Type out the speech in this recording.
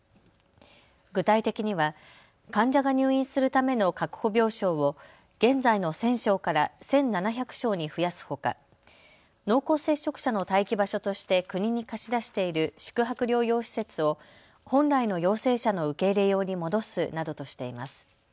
具体的には患者が入院するための確保病床を現在の１０００床から１７００床に増やすほか濃厚接触者の待機場所として国に貸し出している宿泊療養施設を本来の陽性者の受け入れ用に戻すなどとしています。